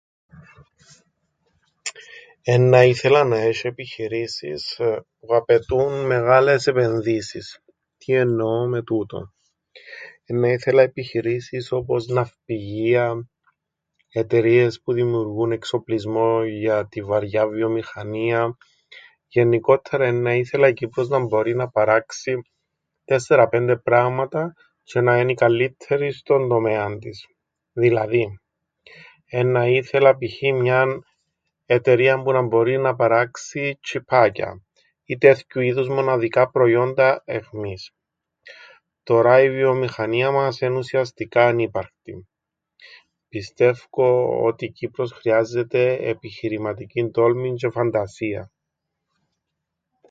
Εννά ήθελα να έσ̆ει επιχειρήσεις που απαιτούν μεγάλες επενδύσεις. Τι εννοώ με τούτον. Εννά ήθελα επιχειρήσεις όπως ναυπηγία, εταιρείες που δημιουργούν εξοπλισμόν για την βαριάν βιομηχανίαν, γεννικόττερα εννά ήθελα η Κύπρος να μπορεί να παράξει 4-5 πράματα τζ̆αι να εν' η καλλύττερη στον τομέαν της. Δηλαδή, εννά ήθελα π.χ. μιαν εταιρείαν που να μπορεί να παράξει τσ̆ιππάκια, ή τέθκοιου είδους μοναδικά προϊόντα αιχμής. Τωρά η βιομηχανία μας εν' ουσιαστικά ανύπαρκτη. Πιστεύκω ότι η Κύπρος χρειάζεται επιχειρηματικήν τόλμην τζ̆αι φαντασίαν.